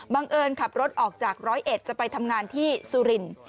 บังเอิญขับรถออกจาก๑๐๑จะไปทำงานที่สุรินทร์